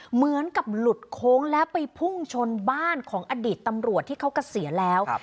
เหมือนกับหลุดโค้งแล้วไปพุ่งชนบ้านของอดีตตำรวจที่เขาเกษียณแล้ว